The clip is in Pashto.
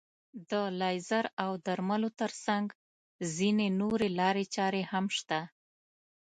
د لیزر او درملو تر څنګ ځينې نورې لارې چارې هم شته.